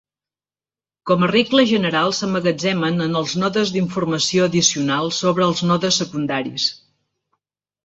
Com a regla general, s'emmagatzemen en els nodes d'informació addicional sobre els nodes secundaris.